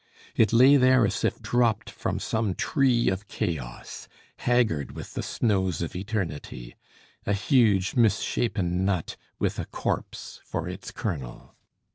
It lay there as if dropped from some tree of chaos, haggard with the snows of eternity a huge mis shapen nut, with a corpse for its kernel.